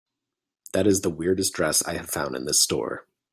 That is the weirdest dress I have found in this store.